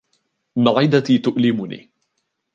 معدتى تؤلمني.